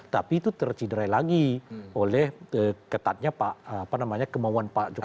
tapi itu terciderai lagi oleh ketatnya kemauan pak jokowi